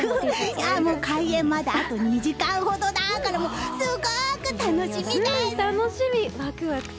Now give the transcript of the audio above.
開演まで、あと２時間ほどだからすごく楽しみです！